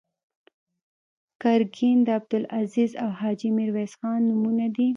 ګرګین د عبدالعزیز او حاجي میرویس خان نومونه دي.